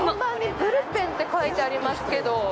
ブルペンって書いてありますけど。